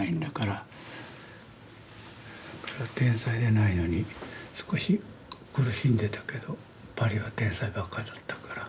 天才じゃないのに少し苦しんでたけどパリは天才ばっかだったから。